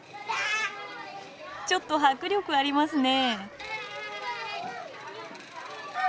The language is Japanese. ちょっと迫力ありますね。